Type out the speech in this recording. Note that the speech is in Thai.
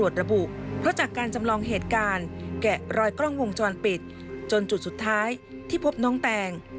จนจุดสุดท้ายที่พบน้องแต่ง